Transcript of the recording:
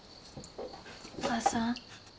お母さん。